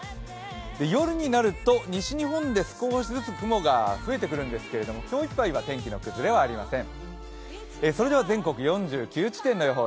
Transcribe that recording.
夜になると、西日本で少しずつ雲が増えてくるんですけど今日いっぱいは天気の崩れはありません。